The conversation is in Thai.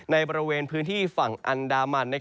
ในบริเวณพื้นที่ฝั่งอันดามัน